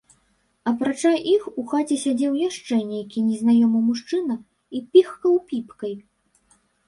Апрача іх у хаце сядзеў яшчэ нейкі незнаёмы мужчына і пыхкаў піпкай.